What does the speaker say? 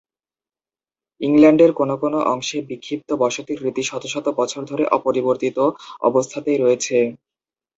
ইংল্যান্ডের কোন কোন অংশে বিক্ষিপ্ত বসতির রীতি শত শত বছর ধরে অপরিবর্তিত অবস্থাতেই রয়েছে।